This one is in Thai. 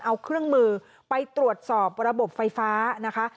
เอาเครื่องมือไปตรวจสอบระบบไฟฟ้านะคะ